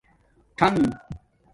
ٹھݣ